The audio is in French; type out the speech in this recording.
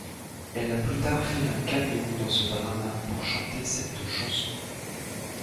Elle a plus tard fait un caméo dans ce drama pour chanter cette chanson.